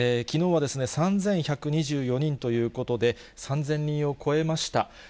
きのうは３１２４人ということで、３０００人を超えました。